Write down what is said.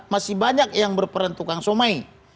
masih banyak yang berperan tukang somai